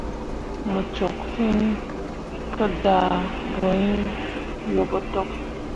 Mu cok fin pu dah boyin yo botok.